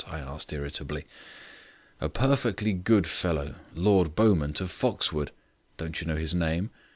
I asked irritably. "A perfectly good fellow. Lord Beaumont of Foxwood don't you know his name?